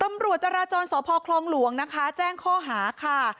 ตำรวจจราจรสพคลองหลวงนะคะแจ้งข้อหาค่ะ